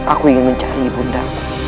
aku ingin mencari bunda